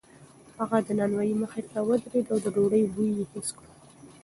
هغه د نانوایۍ مخې ته ودرېد او د ډوډۍ بوی یې حس کړ.